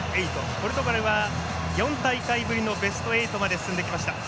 ポルトガルは４大会ぶりのベスト８まで進んできました。